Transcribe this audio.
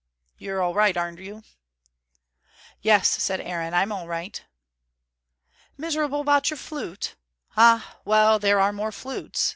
You're all right, are you?" "Yes," said Aaron. "I'm all right." "Miserable about your flute? Ah, well, there are more flutes.